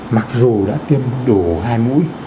mặc dù đã tiêm đủ hai mũi